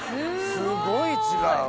すごい違う。